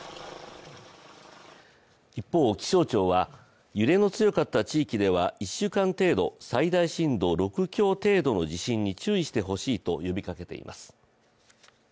一方、気象庁は揺れの強かった地域では１週間程度、最大震度６強程度の地震に注意してほしいと呼びかけています。